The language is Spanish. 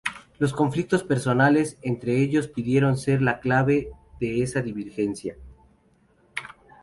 Los conflictos personales entre ellos pudieron ser la clave de esa divergencia.